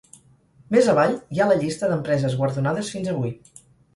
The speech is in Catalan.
Més avall hi ha la llista d'empreses guardonades fins avui.